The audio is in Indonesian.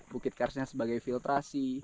bukit karsnya sebagai filtrasi